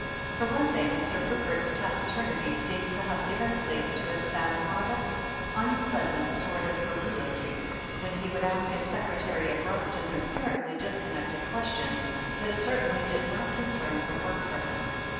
For one thing. Sir Rupert's taciturnity seemed to have given place to a spasmodic, unpleasant sort of garrulity, when he would ask his secretary abrupt and apparently disconnected questions, that certainly did not concern her work for him.